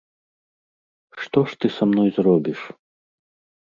Што ж ты са мной зробіш?